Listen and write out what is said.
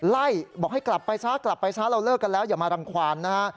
ไล่บอกให้กลับไปซ้ากลับไปซะเราเลิกกันแล้วอย่ามารังความนะฮะ